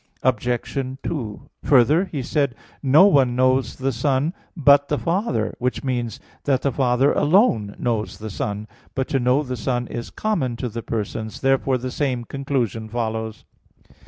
Obj. 2: Further, He said: "No one knows the Son but the Father" (Matt. 11:27); which means that the Father alone knows the Son. But to know the Son is common (to the persons). Therefore the same conclusion follows.